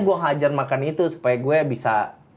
gue hajar makan itu supaya gue bisa